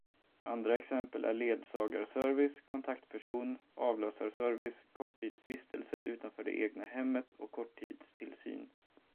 Andra exempel är ledsagarservice, kontaktperson, avlösarservice, korttidsvistelse utanför det egna hemmet och korttidstillsyn.